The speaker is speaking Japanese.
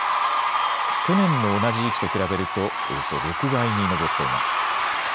去年の同じ時期と比べるとおよそ６倍に上っています。